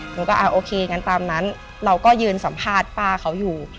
หนูก็โอเคงั้นตามนั้นเราก็ยืนสัมภาษณ์ป้าเขาอยู่